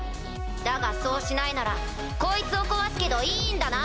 だがそうしないならこいつを壊すけどいいんだな？